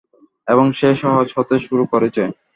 এবং সে সহজ হতে শুরু করেছে।